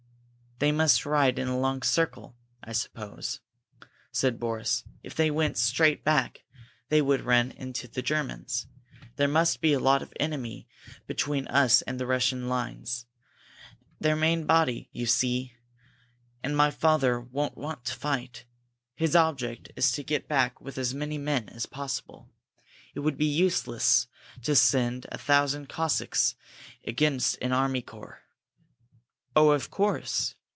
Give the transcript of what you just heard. "They must ride in a long circle, I suppose," said Boris. "If they went straight back, they would run right into the Germans. There must be a lot of the enemy between us and the Russian lines their main body, you see. And my father won't want to fight. His object is to get back with as many men as possible. It would be useless to send a thousand Cossacks against an army corps." "Oh, of course!